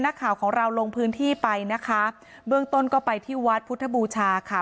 นักข่าวของเราลงพื้นที่ไปนะคะเบื้องต้นก็ไปที่วัดพุทธบูชาค่ะ